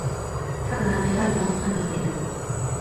近くのラーメン屋はいつも繁盛してる